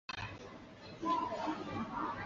池后正中为文澜阁。